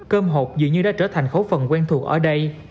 cơm hột dự như đã trở thành khấu phần quen thuộc ở đây